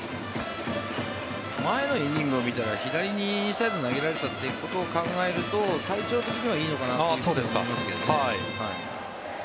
前のイニングを見たら左にインサイドを投げられたことを考えると体調的にはいいのかなと思いますけどね。